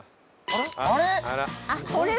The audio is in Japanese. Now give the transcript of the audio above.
あれ？